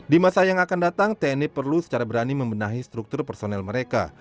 di masa yang akan datang tni perlu secara berani membenahi struktur personel mereka